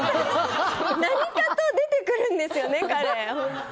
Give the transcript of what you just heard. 何かと出てくるんですよね、彼。